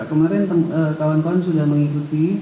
kemarin kawan kawan sudah mengikuti